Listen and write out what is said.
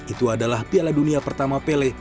itu adalah piala dunia pertama pele